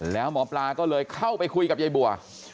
แล้วหมอปลาก็เลยเข้าไปคุยกับยายบัว